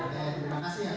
terima kasih pak